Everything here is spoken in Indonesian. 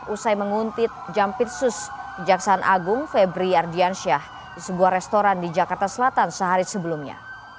usai menguntit jampitsus kejaksaan agung febri ardiansyah di sebuah restoran di jakarta selatan sehari sebelumnya